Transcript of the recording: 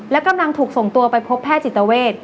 และกำลังถูกส่งตัวไปพบแพทย์จิตเวท